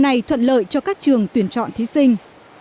này thuận lợi cho các trường tuyển chọn thí sinh